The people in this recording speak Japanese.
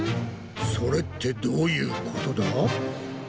それってどういうことだ？